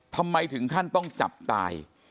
ทำไมถึงขั้นต้องจับตาย